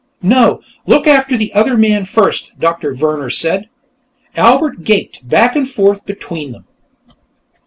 "No; look after the other man first," Doctor Vehrner said. Albert gaped back and forth between them.